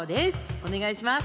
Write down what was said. お願いします。